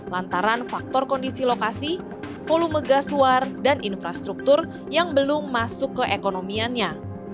lantaran faktor kondisi lokasi volume gas suar dan infrastruktur yang belum masuk keekonomiannya